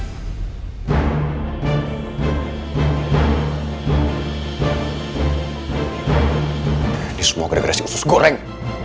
ini semua gres gres yang usus goreng